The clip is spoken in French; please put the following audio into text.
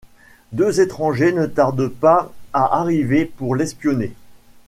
Deux étrangers ne tardent pas à arriver pour l'espionner.